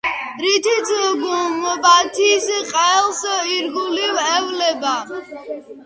რითიც გუმბათის ყელს ირგვლივ ევლება.